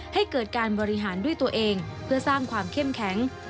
ให้เกิดการบริหารด้วยตัวเองเพื่อสร้างความเข้มแข็ง